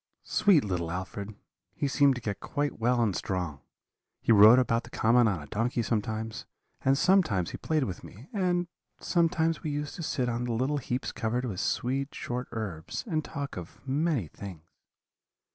"'Sweet little Alfred! He seemed to get quite well and strong; he rode about the common on a donkey sometimes, and sometimes he played with me, and sometimes we used to sit on the little heaps covered with sweet short herbs, and talk of many things.